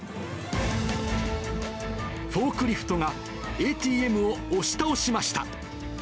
フォークリフトがＡＴＭを押し倒しました。